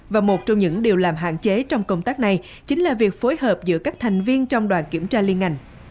và một trong những điều làm hạn chế trong công tác này chính là việc phối hợp giữa các thành viên trong đoàn kiểm tra liên ngành